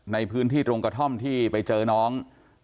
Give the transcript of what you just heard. ในพื้นที่ตรงกระท่อมที่ไปเจอน้อง